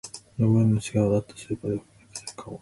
見覚えのある顔だった、スーパーでよく見かける顔